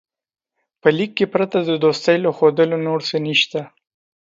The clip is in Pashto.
په لیک کې پرته د دوستۍ له ښودلو نور څه نسته.